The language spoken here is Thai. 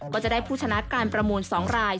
ก็จะได้ผู้ชนะการประมูล๒ราย